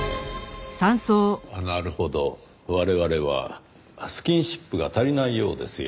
なるほど我々はスキンシップが足りないようですよ。